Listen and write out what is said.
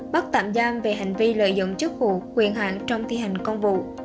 bắt tạm giam về hành vi lợi dụng chức vụ quyền hạn trong thi hành công vụ